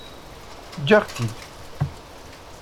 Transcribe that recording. Eǧǧ-aɣ-tt-id